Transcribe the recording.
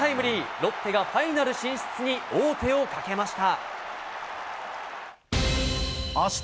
ロッテがファイナル進出に王手をかけました。